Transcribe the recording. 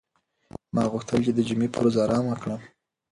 ما غوښتل چې د جمعې په ورځ ارام وکړم.